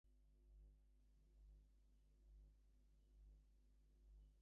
Smallhorne grew up in the Ballyfermot suburb of Dublin, Ireland.